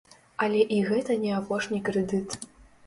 Але і гэта не апошні крэдыт.